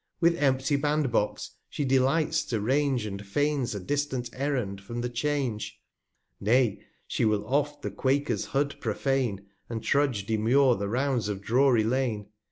With empty Bandbox she delights to range, And feigns a distant Errand from the Change^ Nay, she will oft* the Quaker's Hood prophane, And trudge demure the Rounds of Drury Lane.